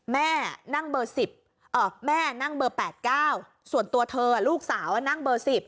แม่นั่งเบอร์๘๙ส่วนตัวเธอลูกสาวนั่งเบอร์๑๐